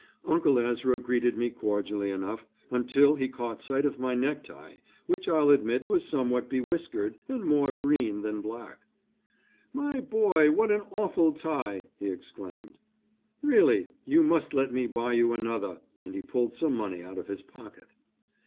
Uncle Ezra greeted me cordially enough, until he caught sight of my necktie which I'll admit was somewhat bewhiskered and more green than black. "My boy, what an awful tie!" he exclaimed. "Really, you must let me buy you another," and he pulled some money out of his pocket.